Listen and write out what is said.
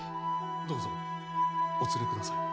どうぞお連れください。